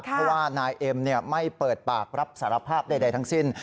เพราะว่านายเอ็มไม่เปิดปากรับสารภาพใดทั้งสิ้น